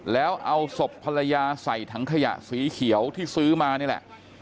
แล้วเอาศพภรรยาใส่ถังขยะสีเขียวที่ซื้อมานี่แหละ